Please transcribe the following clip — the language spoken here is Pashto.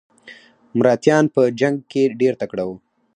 مراتیان په جنګ کې ډیر تکړه وو.